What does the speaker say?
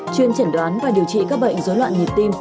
chuyên trần đoán và điều trị các bệnh dối loạn nhịp tim